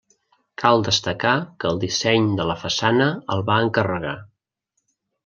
Cal destacar que el disseny de la façana el va encarregar.